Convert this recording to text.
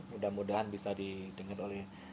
mudah mudahan bisa didengar oleh